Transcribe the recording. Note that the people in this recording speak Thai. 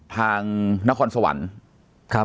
ทางนครสวรรค์มาครับ